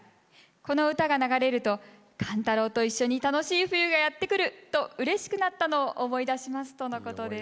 この歌が流れると「寒太郎と一緒に楽しい冬がやってくる！」とうれしくなったのを思い出しますとのことです。